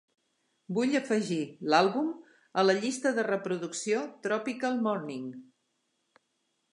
Vull afegir l'àlbum a la llista de reproducció Tropical Morning.